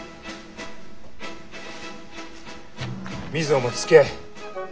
瑞穂もつきあえ。